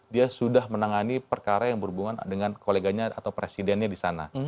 dia sudah menangani perkara yang berhubungan dengan koleganya atau presidennya di sana